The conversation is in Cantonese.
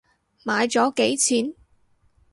買咗幾錢？